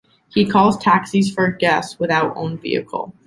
He calls taxis for guests without own vehicle.